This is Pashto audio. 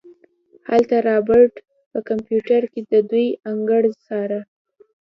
هلته رابرټ په کمپيوټر کې د دوئ انګړ څاره.